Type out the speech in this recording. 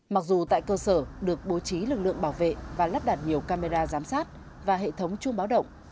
mặc dù tại cơ sở được bố trí lực lượng bảo vệ và lắp đặt nhiều camera giám sát và hệ thống chuông báo động